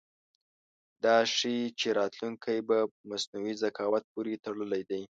دا ښيي چې راتلونکی په مصنوعي ذکاوت پورې تړلی دی.